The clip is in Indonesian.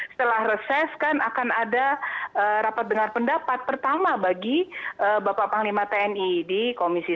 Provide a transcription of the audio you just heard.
setelah reses kan akan ada rapat dengar pendapat pertama bagi bapak panglima tni di komisi satu